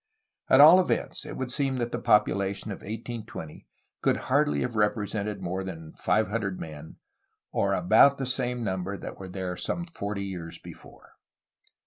At all events, it would seem that the population of 1820 could hardly have represented more than five hundred men, — or about the same number that there were some forty years before.